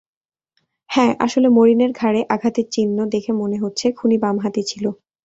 হ্যাঁ আসলে মরিনের ঘাড়ে আঘাতের চিহ্ন দেখে মনে হচ্ছে খুনি বামহাতি ছিলো।